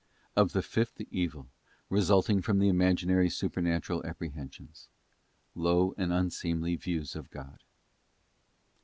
Of the fifth evil, resulting from the Imaginary Supernatural Apprehensions : low and unseemly views of God.